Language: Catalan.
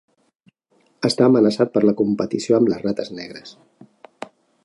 Està amenaçat per la competició amb les rates negres.